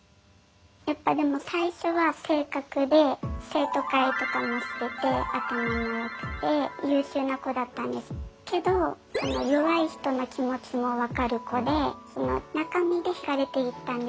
やっぱでも生徒会とかもしてて頭もよくて優秀な子だったんですけど弱い人の気持ちも分かる子で中身でひかれていったんですよね私が。